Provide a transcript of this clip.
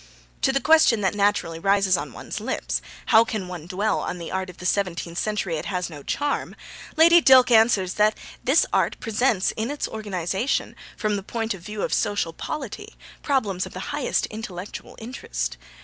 To the question that naturally rises on one's lips, 'How can one dwell on the art of the seventeenth century? it has no charm,' Lady Dilke answers that this art presents in its organisation, from the point of view of social polity, problems of the highest intellectual interest.